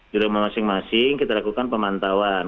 di rumah masing masing kita lakukan pemantauan